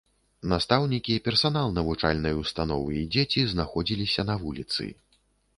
Настаўнікі, персанал навучальнай установы і дзеці знаходзіліся на вуліцы.